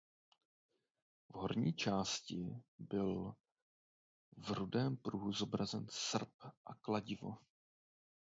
V horní části byl v rudém pruhu zobrazen srp a kladivo.